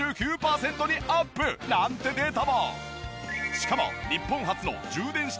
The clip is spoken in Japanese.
しかも。